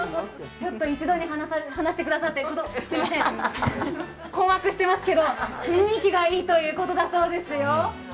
一度に話してくださって困惑してますけど雰囲気がいいということだそうですよ。